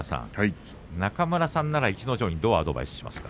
中村さんなら逸ノ城にどのようなアドバイスをしますか。